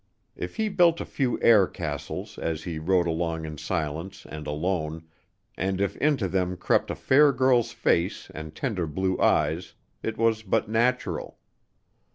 If he built a few air castles as he rode along in silence and alone, and if into them crept a fair girl's face and tender blue eyes, it was but natural.